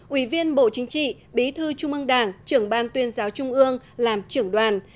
ủy viên bộ chính trị bí thư trung ương đảng trưởng ban tuyên giáo trung ương làm trưởng đoàn